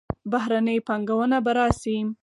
بهرنۍ پانګونه به راشي.